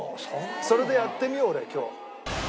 それでやってみよう俺今日。